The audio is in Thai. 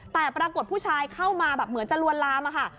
แต่ปรากฏผู้ชายเข้ามาแบบเหมือนจะลวนลามอะค่ะ